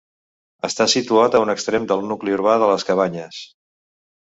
Està situat a un extrem del nucli urbà de les Cabanyes.